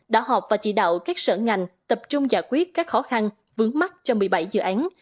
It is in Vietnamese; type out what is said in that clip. đã họp và chỉ đạo các sở ngành tập trung giải quyết các khó khăn vướng mắt cho một mươi bảy dự án